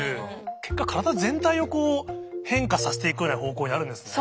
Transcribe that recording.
結果体全体をこう変化させていくような方向になるんですね。